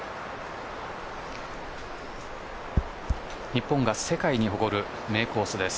日本が世界に誇る名コースです。